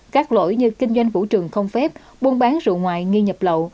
các lỗi như kinh doanh vũ trường không phép buôn bán rượu ngoại nghi nhập lậu